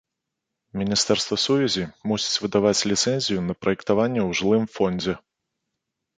Міністэрства сувязі мусіць выдаваць ліцэнзію на праектаванне ў жылым фондзе.